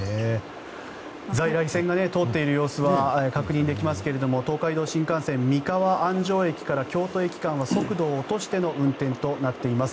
在来線が通っている様子は確認できますが東海道新幹線三河安城駅から京都駅間は速度を落としての運転となっています。